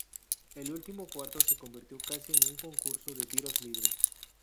El último cuarto se convirtió casi en un concurso de tiros libres.